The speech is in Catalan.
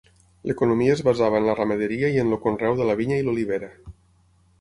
L'economia es basava en la ramaderia i en el conreu de la vinya i l'olivera.